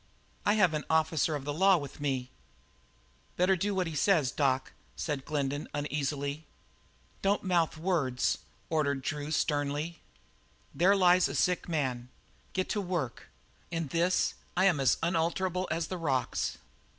I have an officer of the law with me " "Better do what he wants, Doc," said Glendin uneasily. "Don't mouth words," ordered Drew sternly. "There lies your sick man. Get to work. In this I'm as unalterable as the rocks."